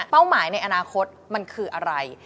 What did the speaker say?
หมายในอนาคตมันคืออะไร